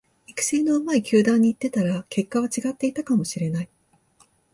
育成の上手い球団に行ってたら結果は違っていたかもしれない